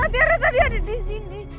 tiara tadi ada disini